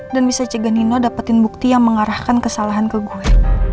dan bisa jaga nino dapetin bukti yang mengarahkan kesalahan ke gue